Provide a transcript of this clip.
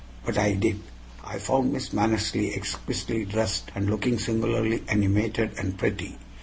But I did. I found Miss Mannersley exquisitely dressed and looking singularly animated and pretty.